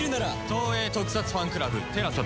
東映特撮ファンクラブＴＥＬＡＳＡで。